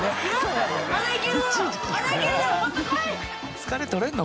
疲れ取れるの？